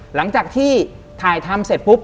หลังจากที่ถ่ายทำเสร็จปุ๊บ